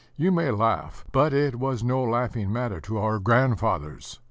... You may laugh, but it was no laughing matter to our grandfathers.